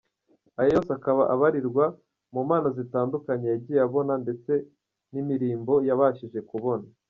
Aya yose akaba abarirwa mu mpano zitandukanye yagiye abona ndetse n’imirimbo yabashije kubona.